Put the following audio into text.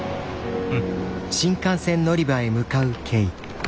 うん。